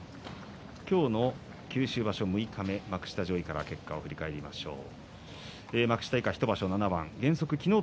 九州場所六日目、幕下上位からの結果を振り返りましょう。